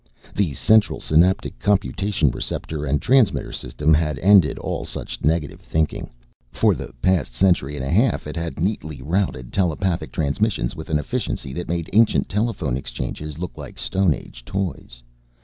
The Central Synaptic Computation Receptor and Transmitter System had ended all such negative thinking. For the past century and a half it had neatly routed telepathic transmissions with an efficiency that made ancient telephone exchanges look like Stone Age toys.